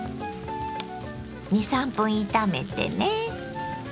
２３分炒めてね。